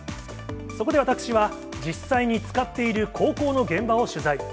そこで私は、実際に使っている高校の現場を取材。